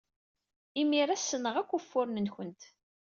Imir-a, ssneɣ akk ufuren-nwent!